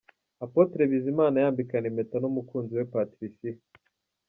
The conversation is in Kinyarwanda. Apotre Bizimana yambikana impeta n'umukunzi we Patricia.